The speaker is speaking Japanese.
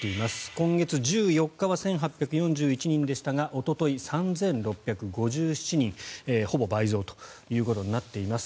今月１４日は１８４１人でしたがおととい３６５７人ほぼ倍増ということになっています。